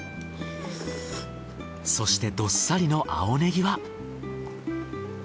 そしてどっさりの青ねぎは？